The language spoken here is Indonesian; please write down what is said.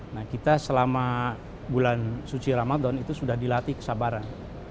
nah kita selama bulan suci ramadan itu sudah dilatih kesabaran